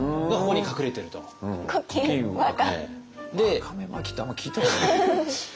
わかめ巻きってあんま聞いたことない。